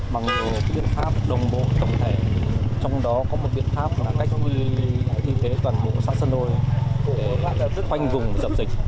bằng một biện pháp đồng bố tổng thể trong đó có một biện pháp là cách quy tế toàn bộ xã sơn đôi để hoành vùng dập dịch